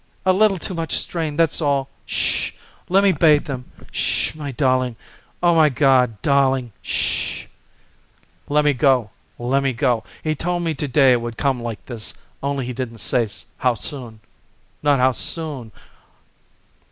A little too much strain, that's all. 'Shh h h! Lemme bathe them. 'Shh h h, my darling. Oh, my God! darling! 'Shh h h!" "Lemme go! Lemme go! He told me to day it would come like this! Only he didn't say how soon. Not how soon.